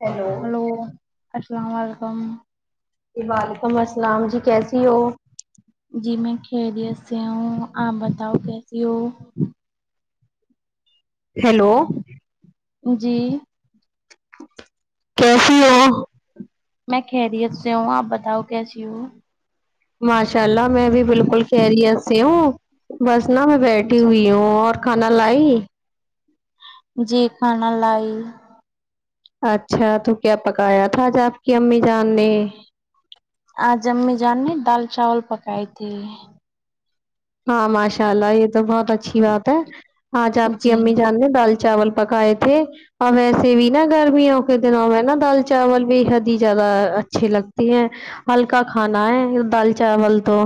hello hello السلام علیکم جی وعلیکم السلام جی کیسی ہو جی میں خیریت سے ہوں آپ بتاؤ کیسی ہو ہیلو جی کیسی ہو میں خیریت سے ہوں آپ بتاؤ کیسی ہو ماشاء اللہ میں بھی بالکل خیریت سے ہوں بس نا میں بیٹھی جی ہوئی ہوں اور کھانا لائی جی کھانا لائی اچھا تو کیا پکایا تھا آج آپ کی امی جان نے آج امی جان نے دال چاول پکائی تھی ہاں ماشاء اللہ یہ تو بہت اچھی بات ہے آج آپ کی جی امی جان نے دال چاول پکائے تھے اور ویسے بھی نا گرمیوں کے دنوں میں نا دال چاول بے حد ہی زیادہ اچھے لگتی ہیں ہلکا کھانا ہے دال چاول تو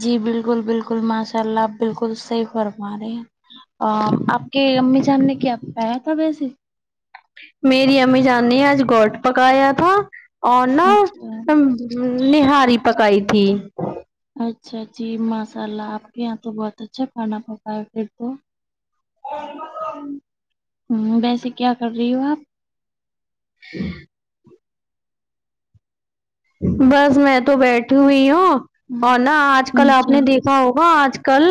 جی بالکل بالکل ماشاء اللہ آپ بالکل صحیح فرما رہے ہیں آپ کے امی جان نے کیا پکایا تھا ویسے میری امی جان نے آج گوٹ پکایا تھا اور نا اچھا نہاری پکائی تھی اچھا جی ماشاء اللہ آپ کے یہاں تو بہت اچھا کھانا پکا ہے پھر تو اور [inaudible] ہوں ویسے کیا کر رہی ہو آپ ہ [inaudible] بس میں تو بیٹھی ہوئی ہوں آپ اور نا آج جی کل آپ نے دیکھا ہوگا آج کل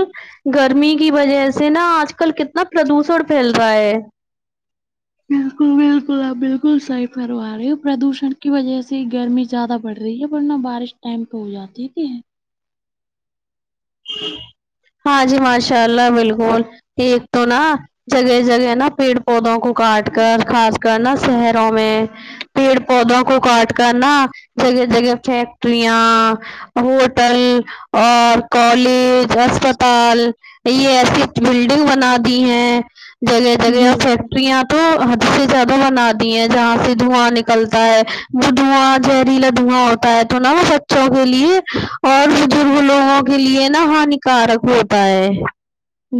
گرمی کی وجہ سے نا آج کل کتنا پردوشن پھیل رہا ہے بالکل بالکل بالکل آپ بالکل صحیح فرما رہی ہو پردوشن کی وجہ سے گرمی زیادہ بڑھ رہی ہے ورنہ بارش ٹائم پہ ہو جاتے تھی ہاں جی ماشاء اللہ بالکل ایک تو نا جگہ جگہ نا پیڑ پودوں کو کاٹ کر خاص کر نا شہروں میں پیڑ پودوں کو کاٹ کر نا جگہ جگہ فیکٹریاں ہوٹل اور کالج اسپتال یہ ایسی بلڈنگ بنا دی ہیں جگہ جگہ بالکل فیکٹرییاں تو حد سے زیادہ بنا دی ہیں جہاں سے دھواں نکلتا ہے وہ دھواں زہریلا دھواں ہوت پہلے تو نا وہ بچوں کے لیے اور بزرگ لوگوں کے کے لیے نا ہانیکارک ہوتا ہے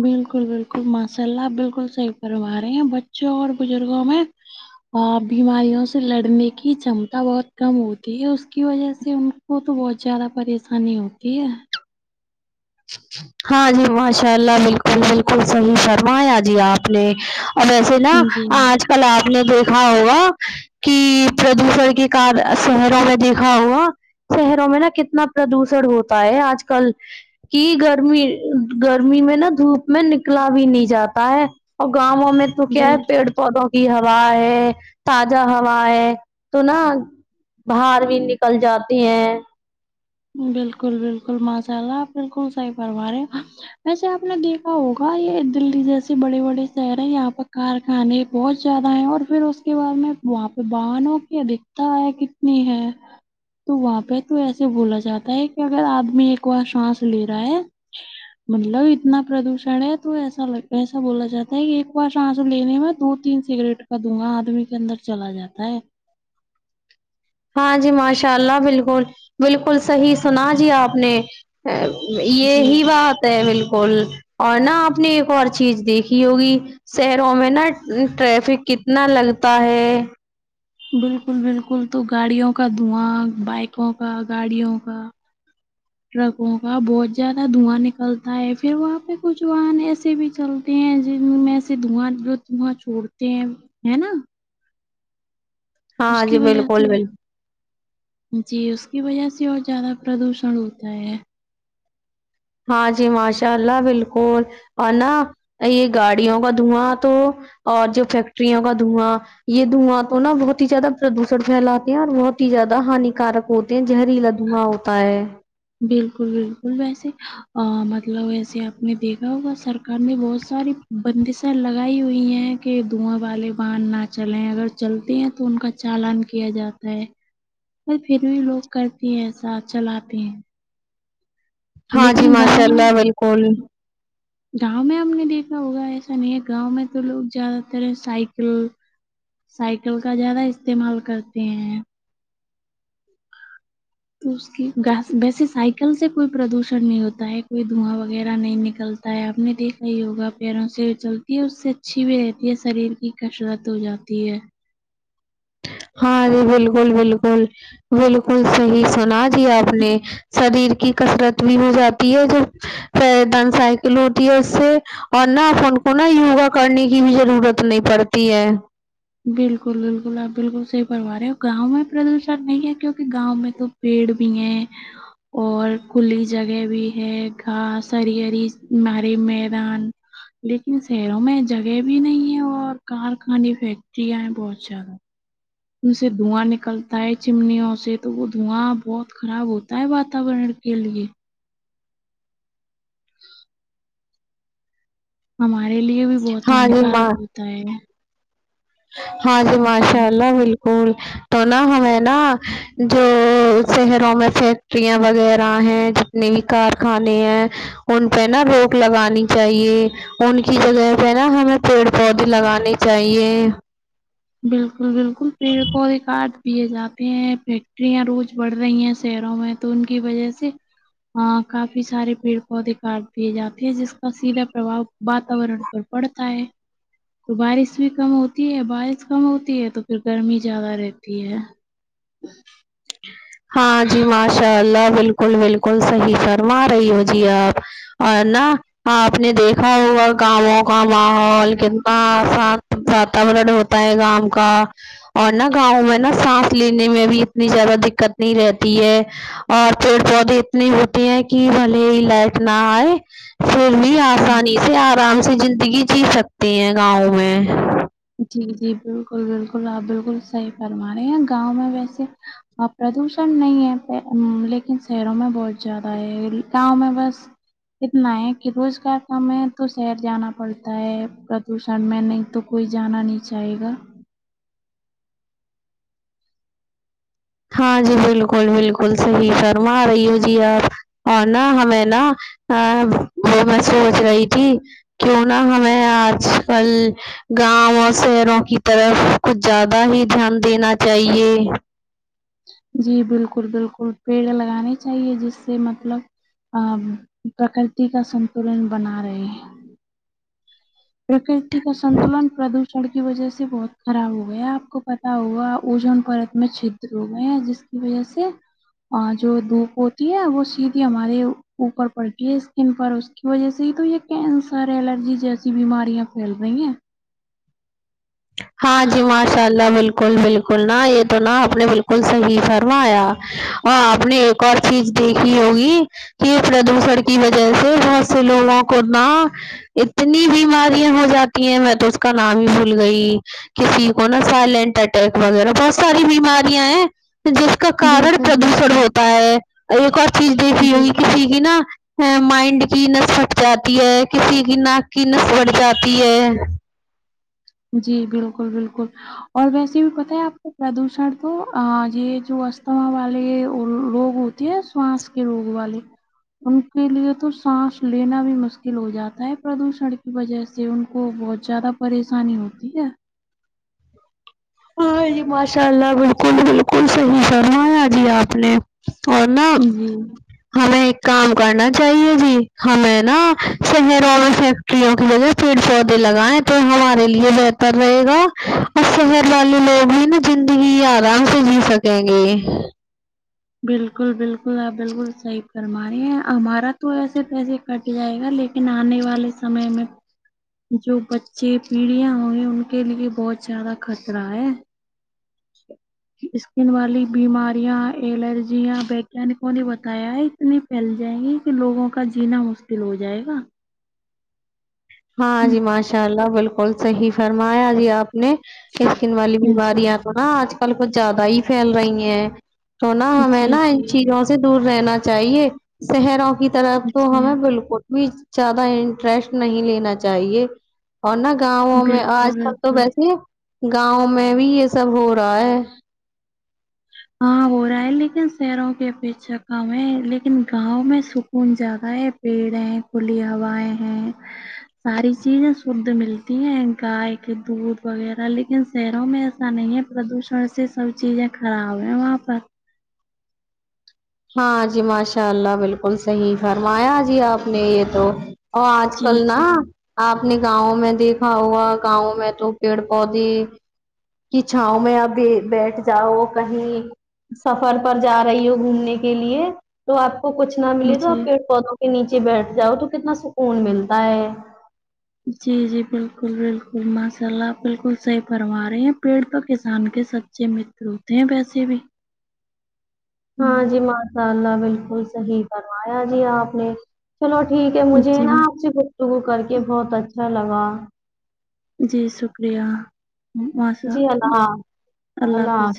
بالکل بالکل ماشاء اللہ آپ بالکل صحیح فرما رہی ہیں بچوں اور بزرگوں میں بیماریوں سے لڑنے کی چمتا بہت کم ہوتی ہے اس کی وجہ سے ان وہ تو بہت زیادہ پریشانی ہوتی ہے ہاں جی ماشاء اللہ بالکل بالکل صحیح فرمایا جی آپ نے اور ایسا سے نا جی آج کل آپ نے دیکھا ہوگا کہ پردوشن کے کار شہروں میں دیکھا ہوگا شہروں میں نا کتنا پردوشن ہوتا ہے آج کل کی گ گرمی گرمی میں نا دھوپ میں نکلا بھی نہیں جاتا ہے اور گاؤں میں تو کیا ہے بالکل پیڑ پودوں کی ہوا ہے تازہ ہوا ہے تو نا باہر بھی نکل جاتی ہیں بالکل بالکل ماشاء اللہ آپ بالکل صحیح فرما رہے ویسے آپ نے دیکھا ہوگا یہ دلی جیسے بڑے بڑے شہر ہیں یہاں پر کارخانے بہت زیادہ ہے اور پھر اس کے بعد میں وہاں پہ باہنوں کی ادھکتایا کتنی ہے تو وہاں پہ تو ایسے بولا جاتا ہے کہ اگر آدمی ایک بار سانس لے رہا ہے مطلب اتنا پردوشن ہے تو ایسا ایسا بولا جاتا ہے ایک بار سانس لینے میں دو تین سے سگریٹ کا دھگا آدمی کے اندر چلا جاتا ہے ہاں جی ماشاء اللہ بالکل بالکل صحیح سنا جی آپ نے جی یہی بات ہے بالکل اور نا آپ نے ایک اور چیز دیکھی ہوگی شہروں میں نا ٹریفک کتنا لگتا ہے بالکل بالکل تو گاڑیوں کا دھواں بائکوں کا گاڑیوں کا [inaudible] ٹرکوں کا بہت زیادہ دھواں نکلتا ہے پھر وہاں پہ کچھ واہن ایسے بھی چل تے ہیں جن میں سے دھواں جو دواں چھوڑتے ہیں ہے نا اس ہاں کی جی وجہ بالکل سے بالکل جی اس کی وجہ سے اور زیادہ پردوشن ہوتا ہے ہاں جی ماشاء اللہ بالکل اور نا یہ گاڑیوں کا دھواں تو اور جو فیکٹریوں کا دھواں یہ دھواں تو نہ بہت ہی زیادہ پردوشن پھیلاتے ہیں اور بہت ہی زیادہ ہنیکارک ہوتے زہریلا دھواں ہوتا ہے بالکل بالکل ویسے مطلب ایسے آپ نے دیکھا ہوگا سرکار نے بہت ساری بندشیں لگائی ہوئی ہیں کہ دھواں والے بن نہ چلے اگر چلتے ہیں تو ان کا چالن کیا جاتا ہے اور پھر بھی لوگ کرتے ہیں ایسا چلاتے ہیں ہاں جی لیکن گاؤں ماشاء میں اللہ بالکل گاؤں میں ہم نے دیکھا ہوگا ایسا نہیں ہے گاؤں میں تو لوگ زیادہ تر سائیکل سائیکل کا زیادہ استعمال کرتے ہیں تو اس کی ویسے سائیکل سے کوئی پردوشن نہیں ہوتا ہے کوئی دھواں وغیرہ نہیں نکل آپ نے دیکھا یوگا پیروں سے چلتی ہے اس سے اچھی بھی رہتی ہے شریر کا کسرت ہو جاتی ہے ہاں جی بالکل بالکل بالکل صحیح سنا جی آپ نے شریر کی کسرت بھی ہو جاتی ہے جو [unintelligible] سائیکل ہوتی ہے اس سے اور نہ ان کو نہ یوگا کرنے کی بھی ضرورت نہیں پڑتی ہے بالکل بالکل آپ بالکل صحیح فرمایا ہیں گاؤں میں پردوشن نہیں ہے کیونک گاؤں میں تو پیڑ بھی ہے اور کھلی جگہ بھی ہے گھاس ںری ںری ماری میدان لیکن شہروں میں جگہ بھی نہیں ہے اور کارخانے فیکٹریاں ہیں بہت زیادہ ان سے دھواں نکلتا ہے چمنیوں سے تو وہ دھواں بہت خراب ہوتا ہے واتاورن کے لیے ہمارے لیے بھی بہت ہاں جی ہنیکارک ماں ہوتا ہے ہاں جی ماشاء اللہ بالکل تو نہ ہمیں نہ جو شہروں میں فیکٹریاں وغیرہ ہیں نہیں کارخانے ہیں ان پہ نہ روک لگانی چاہیے ان کی جگہ پہ نہ ہمیں پیڑ پودے لگانے چاہیے بالکل بالکل پیڑ کو ہی کٹ دپے جاتے ہیں فیکٹریاں روز بڑھ رہی ہیں شہروں میں تو ان کی وجہ سے ہاں کافی سارے پیڑ پودے کاٹ دیے جاتے ہیں جس کا سیدھا پرباؤ واتورن پر پڑتا ہے تو بارش بھی کم ہوتی ہے بارش کم ہوتی ہے تو پھر گرمی زیادہ رہتی ہے ہاں جی ماشاء اللہ بالکل بالکل صحیح فرما رہی ہو جی آپ اور نہ آپ نے دیکھا ہوگا گاؤں کا ماحول وہاں صاف واتاورن ہو ہےگام کا اور نا گاؤں میں نا سانس لینے میں بھی اتنی زیادہ دککت نہیں رہتی ہے اور پیڑ پودے اتنے ہوتی ہیں کہ بھلے ہی لائٹ نہ آئے پھر بھی ہاں آسانی سے آرام سے زندگی جی سکتے ہیں گاؤں میں جی جی بالکل بالکل آپ بالکل صحیح فرما رہے ہیں گاؤں میں ویسے ہاں پردوشن نہیں ہے لیکن شہروں میں بہت زیادہ ہے گاؤں میں بس اتنا ںی کہ روزگار کام میں تو شہر جانا پڑتا ہے پردوشن میں نہیں تو کوئی جانا نہیں چاہے گا ہاں جی بالکل بالکل صحیح فرما رہی ہو جی آپ اور نہ ہمیں نہ وہ میں سوچ رہی تھی کیوں نا ہمیں آج کل گاؤں اور شہروں کی طرف کچھ زیادہ ہی دھیان دینا چاہیے جی بالکل بالکل پیڑ لگانے چاہیے جس سے مطلب ا پرکرتی کا سنتلن بنا رہے ہیں پرکرتی کا سنتولن پردوشن شن کی وجہ سے بہت خراب ہو گیا آپ کو پتا ہوا اوجن پرت میں چ رہو گئے جس کی وجہ سے اور جو دھوپ ہوتی ہے وہ سیدھی ہمارے اوپر پڑتی ہے اسکن پر اس کی وجہ سے ہی تو یہ کینسر الرجی جیسی بیماریاں پھیل رہی ہیں ہاں جی ماشاء اللہ بال کل بالکل نہ یہ تو نہا آپ نے بالکل سبھی فرمایا اور آپ نے ایک اور چیز دیکھی ہوگی یہ پردوشن کی وجہ سے بہت سے لوگوں کو نہ اتنی بیماریاں ہو جاتی ہیں میں تو اس کا نام ہی بھول گئی کسی کو نا سائلینٹ اٹیک وغیرہ بہت ساری بیماریاں ہیں جس کا کران بالکل پردوشن بالکل ہوتا ہے ایک اور چیز دیکھی ہوگی بالکل کسی کی نا ا مائنڈ کی نس پٹ جاتی ہے کسی کی ناک کی نس بٹھ جاتی ہے جی بالکل بالکل اور ویسے بھی پتا ہے آپ کو پردوشن تو یہ جو استھما والے لوگ ہوتے یہ سوست کے روگ والے ان کے لیے تو سانس لینا بھی مشکل ہو جاتا ہے پردوشن کی وجہ سے سے ان کو بہت زیادہ پریشانی ہوتی ہے ہاں جی ماشاء اللہ بالکل بالکل صحیح فرمایا جی آپ نے اور نا جی، ہمیں ایک کام کرنا چاہیے جی ہمیں نا شہر والوں سے وں کی وجہ پیڑ پودے لگائیں تو ہمارے لیے بہتر رہے گا اور والے لوگ ہی نا زندگی آرام سے جی سکیں گے بالکل بالکل آپ بالکل صحیح فرما رہے ہیں ہمارا تو ایسے تیسے کٹ جائے گا لیکن آنے والے سمے میں جو بچے پیڑیاں ہوئی ان کے لیے بہت زیادہ خطرہ ہے اسکن والی بیماریاں الرجیاں ویگانکوں نے بتایا ہے اتنی پھیل جائے گی کہ لوگوں کا جینا مشکل ہو جائے گا ہاں جی ماشاء اللہ بالکل صحیح فرمایا جی آپ نے اسکن والی جی بیماریاں تو نا آج کل کچھ زیادہ ہی پھیل رہی ہیں تو نا ہمیں جی نا ان جی چیزوں سے دور رہنا چاہیے شہروں کی طرف تو جی ہمیں بالکل بھی زیادہ انٹرسٹ نہیں لینا چاہیے اور نا گاؤوں میں آج بالکل کل تو بالکل ویسے گاؤں میں بھی یہ سب ہو رہا ہے ہاں ہو رہا ہے لیکن شہروں کے پیچھا کم ہے لیکن گاؤں میں سکون زیادہ ہے پیڑ ہیں کھلی ہوائیں ہیں ساری چیزیں شد ملتی ہیں گائے کے دودھ وغیرہ لیکن شہروں میں ایسا نہیں ہے پردوشن سے سب چیزیں خراب ہیں وہاں پر ہاں جی ماشاء اللہ بالکل صحیح فرمایا جی آپ نے یہ تو اور آج کل جی نا جی آپ نے گاؤں میں دیکھا ہوگا گاؤں میں تو پیڑ پودے کہ چھاؤں میں ابھی بیٹھ جاؤ کہیں سفر پر جا رہی ہو گھومنے کے لیے تو آپ کو کچھ نہ ملے تو آپ جی پیڑ پودوں کے نیچے بیٹھ جاؤ تو کتنا سکون ملتا ہے جی جی بالکل بالکل ماشاء اللہ آپ بالکل صحیح فرما رہے ہیں پیڑ تو کسان کے س چے متر ہوتے ہیں ییسے بھی ہاں جی ماشاء اللہ بالکل صحیح فرمایا جی آپ نے چلو ٹھیک ہے ہوں، مجھے جی نا آپ سے گفتگو کر کے بہت اچھا لگا جی شکریہ ماشا جی اللہ اللہ حافظ